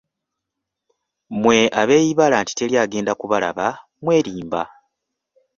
Mmwe abeeyibaala nti tewali agenda kubalaba mwerimba.